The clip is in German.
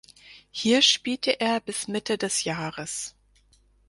Hier spielte er bis Mitte des Jahres.